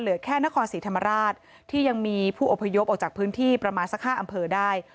เหลือแค่นครศรีธรรมราชที่ยังมีผู้อพยพออกจากพื้นที่ประมาณสัก๕อำเภอได้